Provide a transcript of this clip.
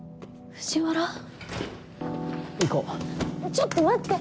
ちょっと待って！